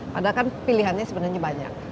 padahal kan pilihannya sebenarnya banyak